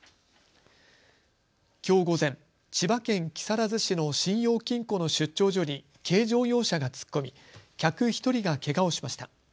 きょう午前、千葉県木更津市の信用金庫の出張所に軽乗用車が突っ込み客１人がけがをしました。